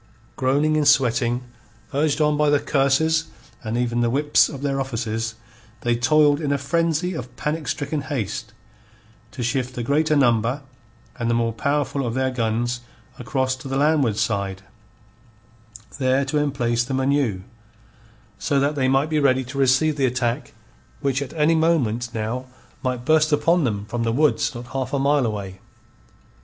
Groaning and sweating, urged on by the curses and even the whips of their officers, they toiled in a frenzy of panic stricken haste to shift the greater number and the more powerful of their guns across to the landward side, there to emplace them anew, so that they might be ready to receive the attack which at any moment now might burst upon them from the woods not half a mile away.